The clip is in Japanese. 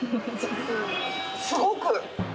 すごく。